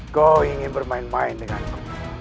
kau ingin bermain main denganku